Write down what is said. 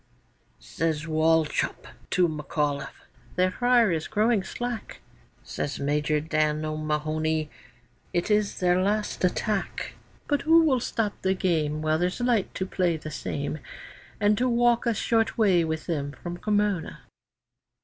Says Wauchop to McAulliffe, 'Their fire is growing slack.' Says Major Dan O'Mahony, 'It is their last attack; But who will stop the game While there's light to play the same, And to walk a short way with them from Cremona?